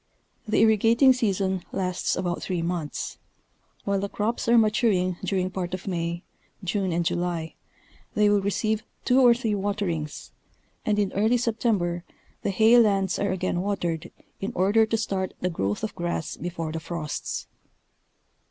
The irrigating season lasts about three months. While the crops are maturing during part of May, June and July, they will receive two or three waterings, and in early September the hay lands are again watered in order to start the growth of grass before the frosts.